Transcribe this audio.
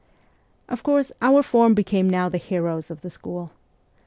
Of course our form became now the heroes of the school.